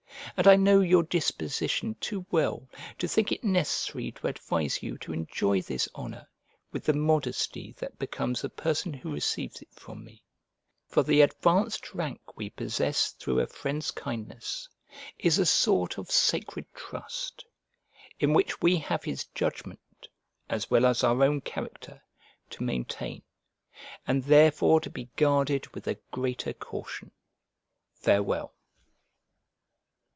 And I know your disposition too well to think it necessary to advise you to enjoy this honour with the modesty that becomes a person who receives it from me; for the advanced rank we possess through a friend's kindness is a sort of sacred trust, in which we have his judgment, as well as our own character, to maintain, and therefore to be guarded with the greater caution. Farewell.